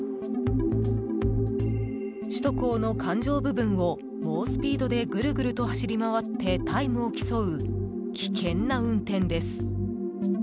首都高の環状部分を猛スピードでぐるぐると走り回ってタイムを競う危険な運転です。